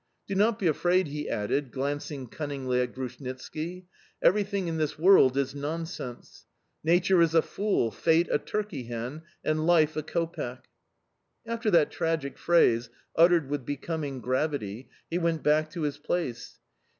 "Do not be afraid," he added, glancing cunningly at Grushnitski; "everything in this world is nonsense... Nature is a fool, fate a turkeyhen, and life a copeck!" After that tragic phrase, uttered with becoming gravity, he went back to his place.